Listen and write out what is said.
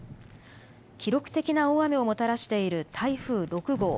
記録的な大雨をもたらしている台風６号。